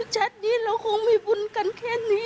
ชัดนี้เราคงมีบุญกันแค่นี้